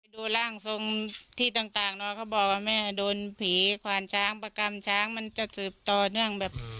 ดูร่างทรงที่ต่างเนอะเขาบอกว่าแม่โดนผีควานช้างประกรรมช้างมันจะสืบต่อเนื่องแบบ